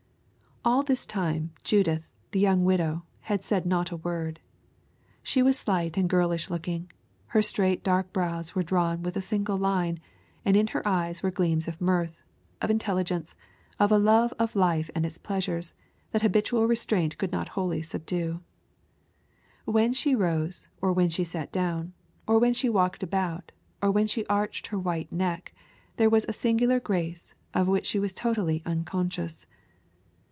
All this time, Judith, the young widow, had not said a word. She was slight and girlish looking. Her straight dark brows were drawn with a single line, and in her eyes were gleams of mirth, of intelligence, of a love of life and its pleasures, that habitual restraint could not wholly subdue. When she rose, or when she sat down, or when she walked about, or when she arched her white neck, there was a singular grace, of which she was totally unconscious.